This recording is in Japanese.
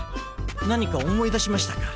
何か思い出しましたか？